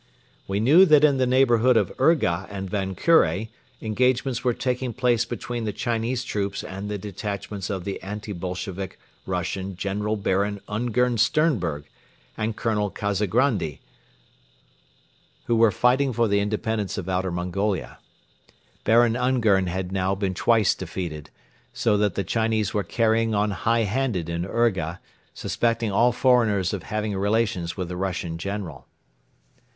We knew that in the neighborhood of Urga and Van Kure engagements were taking place between the Chinese troops and the detachments of the Anti Bolshevik Russian General Baron Ungern Sternberg and Colonel Kazagrandi, who were fighting for the independence of Outer Mongolia. Baron Ungern had now been twice defeated, so that the Chinese were carrying on high handed in Urga, suspecting all foreigners of having relations with the Russian General.